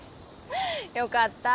よかった。